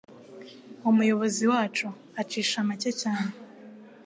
Umuyobozi wacu acisha make cyane